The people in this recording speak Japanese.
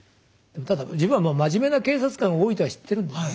ただ自分は真面目な警察官が多いとは知ってるんですね。